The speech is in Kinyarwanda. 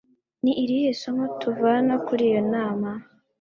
Ni irihe somo tuvana kuri iyo nama?